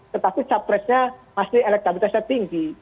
tetapi capresnya masih elektabilitasnya tinggi